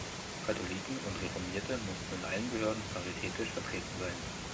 Katholiken und Reformierte mussten in allen Behörden paritätisch vertreten sein.